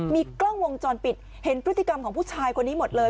มีกล้องวงจรปิดเห็นพฤติกรรมของผู้ชายคนนี้หมดเลย